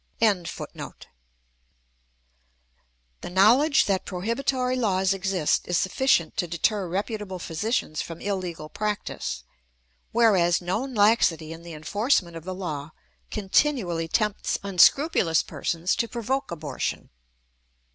"] The knowledge that prohibitory laws exist is sufficient to deter reputable physicians from illegal practice; whereas known laxity in the enforcement of the law continually tempts unscrupulous persons to provoke abortion.